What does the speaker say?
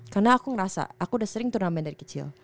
karena aku ngerasa aku udah sering turnamen dari kecil